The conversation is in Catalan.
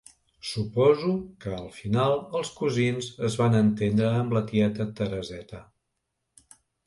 Suposo que al final els cosins es van entendre amb la tieta Tereseta.